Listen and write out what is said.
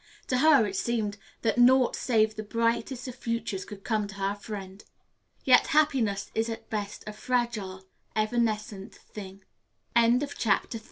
To her it seemed that naught save the brightest of futures could come to her friend. Yet happiness is at best a fragile, evanescent thing. CHAPTER IV "TO THINE OWN